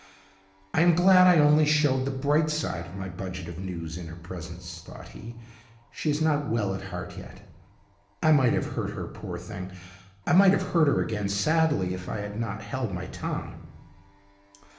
"I am glad I only showed the bright side of my budget of news in her presence," thought he. "She is not well at heart yet. I might have hurt her, poor thing! I might have hurt her again sadly, if I had not held my tongue!"